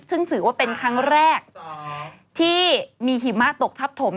ซึ่งถือว่าเป็นครั้งแรกที่มีหิมะตกทับถม